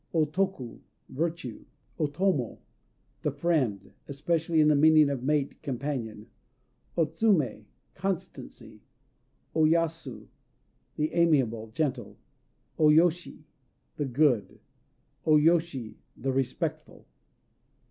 O Toku "Virtue." O Tomo "The Friend," especially in the meaning of mate, companion. O Tsuné "Constancy." O Yasu "The Amiable," gentle. O Yoshi "The Good." O Yoshi "The Respectful."